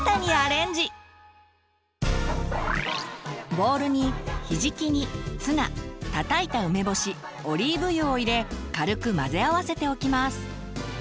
ボウルにひじき煮ツナたたいた梅干しオリーブ油を入れ軽く混ぜ合わせておきます。